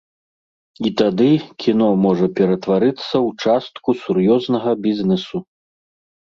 І тады кіно можа ператварыцца ў частку сур'ёзнага бізнесу.